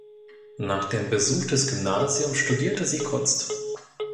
Nach dem Besuch des Gymnasiums studierte sie Kunst.